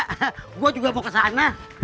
tadi mau kesana